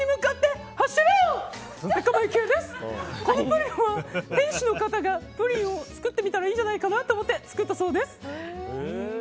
このプリンは店主の方がプリンを作ってみたらいいんじゃないかなと思って作ったそうです。